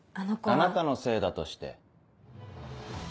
あなたのせいだとして。